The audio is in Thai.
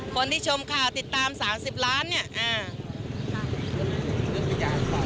คนที่ชมข่าวติดตามสามสิบล้านเนี่ยอ่า